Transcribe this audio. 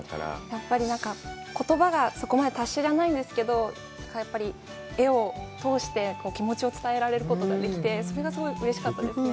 やっぱり言葉がそこまで達者じゃないんですけど、やっぱり絵を通して気持ちを伝えられることができて、それがすごいうれしかったですね。